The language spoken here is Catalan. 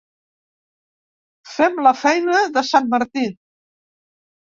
Fem la feina de sant Martí.